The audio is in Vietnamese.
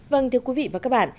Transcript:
vâng thưa quý vị và các bạn